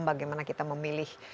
bagaimana kita memilih